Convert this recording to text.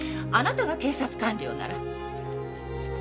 あなたが警察官僚なら。